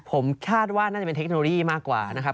ผมคาดว่าน่าจะเป็นเทคโนโลยีมากกว่านะครับ